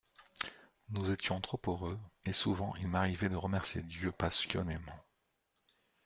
Nous étions trop heureux, et souvent il m'arrivait de remercier Dieu passionnément.